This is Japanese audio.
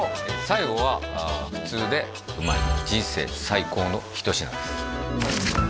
最後は普通でうまい人生最高の一品です